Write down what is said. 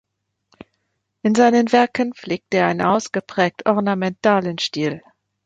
In seinen Werken pflegte er einen ausgeprägt ornamentalen Stil.